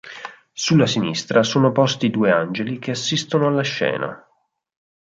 Sulla sinistra sono posti due angeli che assistono alla scena.